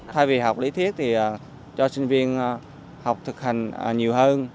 thay vì học lý thuyết thì cho sinh viên học thực hành nhiều hơn